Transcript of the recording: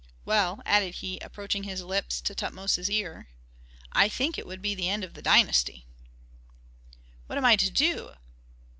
Well," added he, approaching his lips to Tutmosis' ear, "I think it would be the end of the dynasty." "What am I to do?"